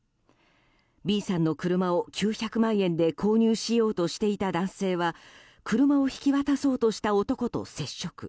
Ｂさんの車を９００万円で購入しようとしていた男性は車を引き渡そうとした男と接触。